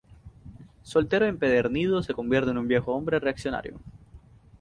Soltero empedernido, se convierte en un viejo hombre reaccionario.